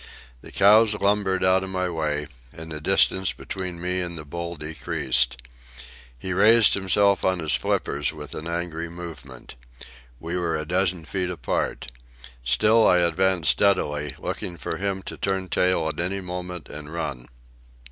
The cows lumbered out of my way, and the distance between me and the bull decreased. He raised himself on his flippers with an angry movement. We were a dozen feet apart. Still I advanced steadily, looking for him to turn tail at any moment and run.